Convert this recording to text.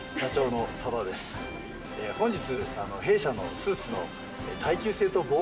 本日。